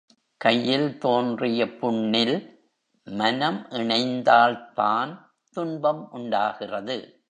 கையில் தோன்றிய புண்ணில் மனம் இணைந்தால்தான் துன்பம் உண்டாகிறது.